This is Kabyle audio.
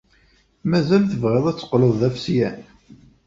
Mazal tebɣiḍ ad teqqleḍ d afesyan?